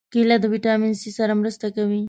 کېله د ویټامین C سره مرسته کوي.